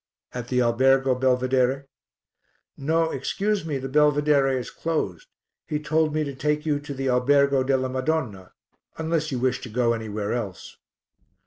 "At the Albergo Belvedere?" "No, excuse me, the Belvedere is closed; he told me to take you to the Albergo della Madonna, unless you wish to go anywhere else."